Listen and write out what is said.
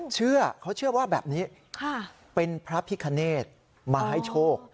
เชื่อเขาเชื่อว่าแบบนี้เป็นพระพิคเนธมาให้โชค